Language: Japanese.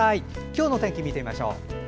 今日の天気を見てみましょう。